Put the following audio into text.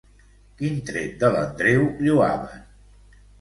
Quin tret de l'Andreu lloaven?